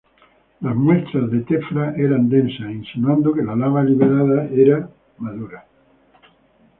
Las muestras de tefra eran densas, insinuando que la lava liberada era madura.